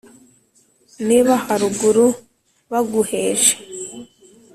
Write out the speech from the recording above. niba haruguru baguheje